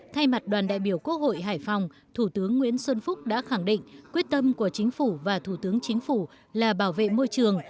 thay mặt đoàn đại biểu quốc hội hải phòng thủ tướng nguyễn xuân phúc đã khẳng định quyết tâm của chính phủ và thủ tướng chính phủ là bảo vệ môi trường